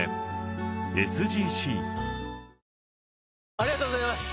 ありがとうございます！